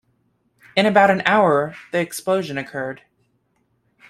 In about an hour the explosion occurred.